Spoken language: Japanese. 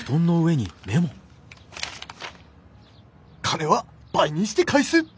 「金は部にして返す！」。